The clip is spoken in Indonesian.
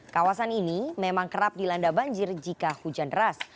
kawasan ini memang kerap dilanda banjir jika hujan deras